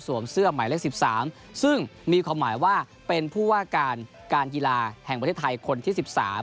สวมเสื้อใหม่เลขสิบสามซึ่งมีความหมายว่าเป็นผู้ว่าการการกีฬาแห่งประเทศไทยคนที่สิบสาม